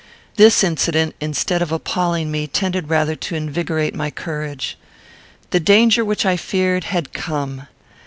This incident, instead of appalling me, tended rather to invigorate my courage. The danger which I feared had come.